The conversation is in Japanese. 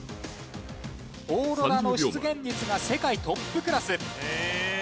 オーロラの出現率が世界トップクラス。え！